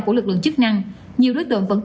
của lực lượng chức năng nhiều đối tượng vẫn